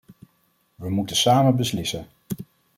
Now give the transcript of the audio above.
We moeten samen beslissen.